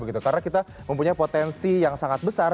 karena kita mempunyai potensi yang sangat besar